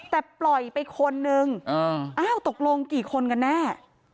แต่ปล่อยไปคนนึงอ้าวตกลงกี่คนกันแน่